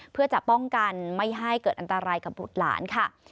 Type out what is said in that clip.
เพื่อจะป้องกันไม่ให้เกิดอันตรายกับบุตรหลานค่ะ